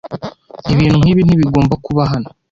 Ibintu nkibi ntibigomba kuba hano.